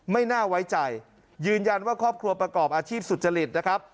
ไม่น่าไว้ใจยืนยันว่าครอบครัวประกอบอาชีพสุจริตนะครับ